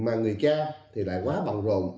mà người cha thì lại quá bằng rồn